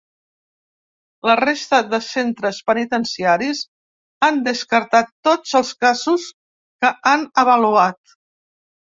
La resta de centres penitenciaris, han descartat tots els casos que han avaluat.